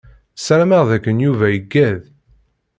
Sarameɣ d akken Yuba iggad.